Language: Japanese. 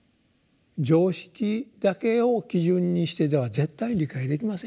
常識だけを基準にしていては絶対理解できませんよ。